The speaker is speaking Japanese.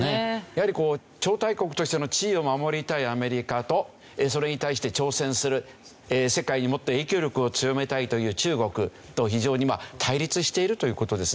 やはり超大国としての地位を守りたいアメリカとそれに対して挑戦する世界にもっと影響力を強めたいという中国と非常に対立しているという事ですね。